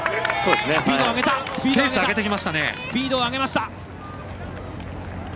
スピードを上げた。